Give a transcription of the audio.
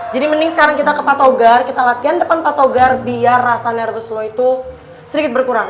jadi mending sekarang kita ke pak togar kita latihan depan pak togar biar rasa nervous lu itu sedikit berkurang